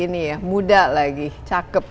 masih muda lagi cakep